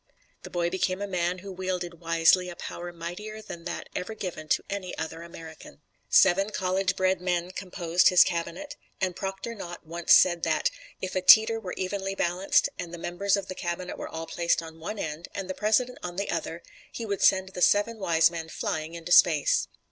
The boy became a man who wielded wisely a power mightier than that ever given to any other American. Seven college bred men composed his cabinet; and Proctor Knott once said that "if a teeter were evenly balanced, and the members of the cabinet were all placed on one end, and the President on the other, he would send the seven wise men flying into space."